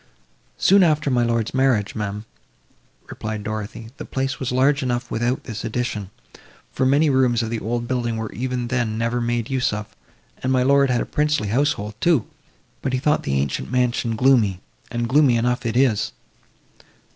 "Soon after my lord's marriage, ma'am," replied Dorothée. "The place was large enough without this addition, for many rooms of the old building were even then never made use of, and my lord had a princely household too; but he thought the ancient mansion gloomy, and gloomy enough it is!"